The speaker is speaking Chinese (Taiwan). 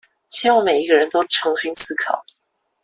希望每一個人都重新思考